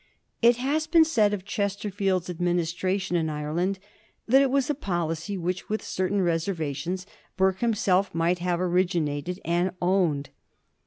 It has been said of Chester field's administration in Ireland that it was a policy which, with certain reservations, Burke himself might have origi nated and owned.